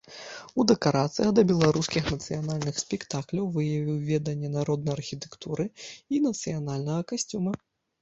У дэкарацыях да беларускіх нацыянальных спектакляў выявіў веданне народнай архітэктуры і нацыянальнага касцюма.